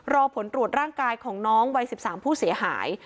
รอผลตรวจร่างกายของน้องวัย๑๓ผู้เสียหาย